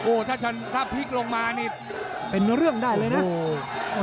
ถ้าพลิกลงมานี่เป็นเรื่องได้เลยนะ